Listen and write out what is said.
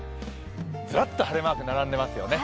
ずらっと晴れマーク並んでいますよね。